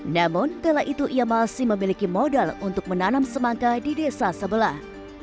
namun kala itu ia masih memiliki modal untuk menanam semangka di desa sebelah